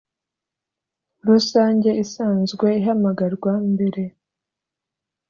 rusange isanzwe ihamagarwa mbere